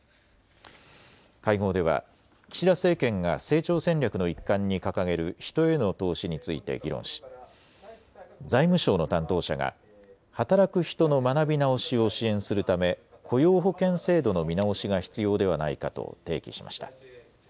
会合では岸田政権が成長戦略の一環に掲げる人への投資について議論し財務省の担当者が働く人の学び直しを支援するため雇用保険制度の見直しが必要ではないかと提起しました。